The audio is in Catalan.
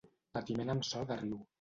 Patiment amb so de riu.